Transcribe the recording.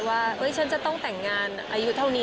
ว่าฉันจะต้องแต่งงานอายุเท่านี้